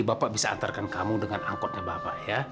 bapak bisa antarkan kamu dengan angkotnya bapak ya